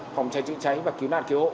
phòng cháy chữa cháy và cứu đàn cứu hộ